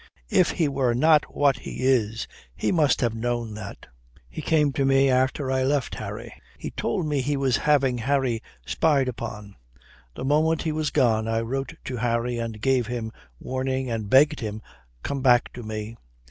If he were not what he is, he must have known that. He came to me after I left Harry. He told me that he was having Harry spied upon. The moment he was gone I wrote to Harry and gave him warning and begged him come back to me.